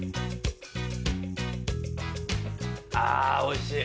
あぁおいしい。